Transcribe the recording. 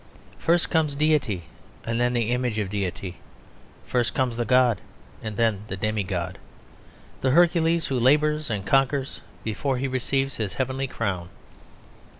First comes Deity and then the image of Deity; first comes the god and then the demi god, the Hercules who labours and conquers before he receives his heavenly crown.